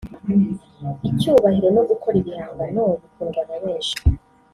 icyubahiro no gukora ibihangano bikundwa na benshi